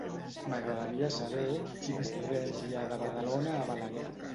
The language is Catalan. M'agradaria saber quins trens hi ha de Badalona a Balaguer.